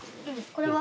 これは？